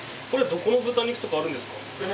これどこの豚肉とかあるんですか？